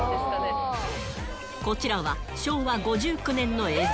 こちらは、昭和５９年の映像。